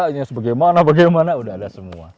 ada bagaimana bagaimana udah ada semua